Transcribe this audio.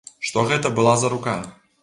Што гэта была за рука.